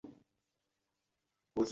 服务生椅子都用摔的